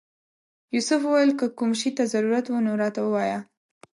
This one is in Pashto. یوسف وویل که کوم شي ته ضرورت و نو راته ووایه.